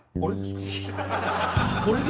これで？